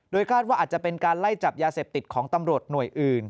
คาดว่าอาจจะเป็นการไล่จับยาเสพติดของตำรวจหน่วยอื่น